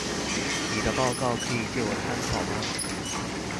妳的報告可以借我參考嗎？